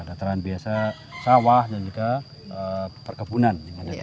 dataran biasa sawah dan juga perkebunan